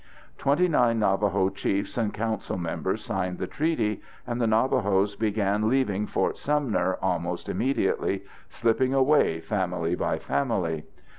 Twenty nine Navajo chiefs and council members signed the treaty, and the Navajos began leaving Fort Sumner almost immediately, slipping away family by family.